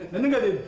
bener nggak din